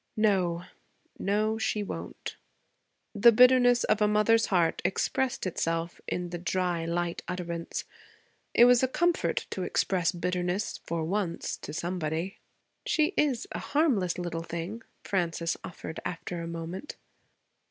'No; no, she won't.' The bitterness of the mother's heart expressed itself in the dry, light utterance. It was a comfort to express bitterness, for once, to somebody. 'She is a harmless little thing,' Frances offered after a moment.